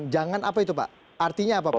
jangan apa itu pak artinya apa pak